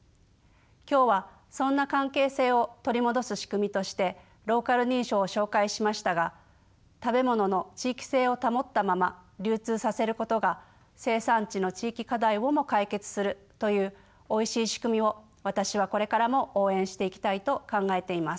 今日はそんな関係性を取り戻す仕組みとしてローカル認証を紹介しましたが食べ物の地域性を保ったまま流通させることが生産地の地域課題をも解決するというおいしい仕組みを私はこれからも応援していきたいと考えています。